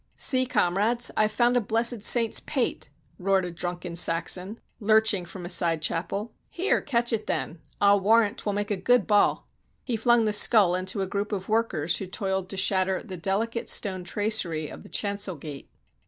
"See, comrades! I've found a blessed saint's pate," roared a drunken Saxon, lurching from a side chapel. "Here! catch it, then! I'll warrant 't will make a good ball!" He flung the skull into a group of workers who toiled to shatter the delicate stone tracery of the chan cel gate.